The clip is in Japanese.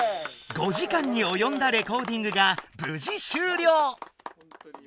５時間におよんだレコーディングがぶじ終了。